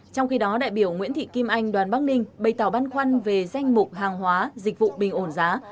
trong khi đó đại biểu nguyễn thị kim anh đoàn bắc ninh bày tỏ băn khoăn về danh mục hàng hóa dịch vụ bình ổn giá